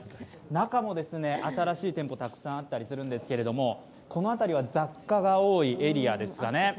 中も新しい店舗たくさんあったりするんですけどこの辺りは雑貨が多いエリアですかね。